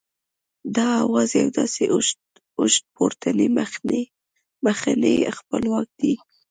دا آواز یو داسې اوږد پورتنی مخنی خپلواک دی